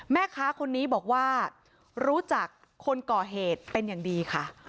แม่ค้าคนนี้บอกว่ารู้จักคนก่อเหตุเป็นอย่างดีค่ะ